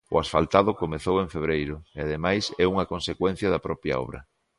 O asfaltado comezou en febreiro, e ademais é unha consecuencia da propia obra.